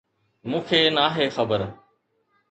مون کي ناهي خبر.